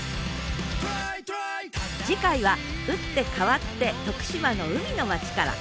次回は打って変わって徳島の海の町から。